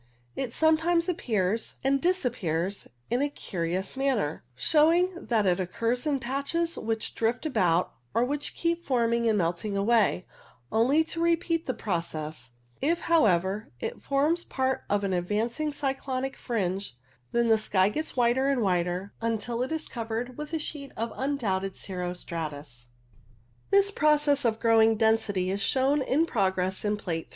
It sometimes appears and disappears in a curious manner, showing that it occurs in patches, which drift about or which keep forming and melting away, only to repeat the pro cess. If, however, it forms part of an advancing cyclone fringe, then the sky gets whiter and whiter, until it is covered with a sheet of undoubted CO D I < H 03 6 O I a z a z < I o CIRRO NEBULA 25 cirro stratus. This process of growing density is shown in progress in Plate 3.